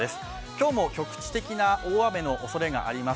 今日も局地的な大雨のおそれがあります。